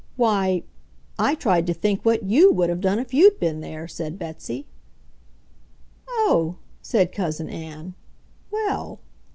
"Why, I tried to think what YOU would have done if you'd been there," said Betsy. "Oh!" said Cousin Ann. "Well